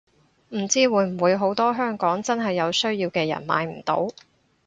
唔知會唔會好多香港真係有需要嘅人買唔到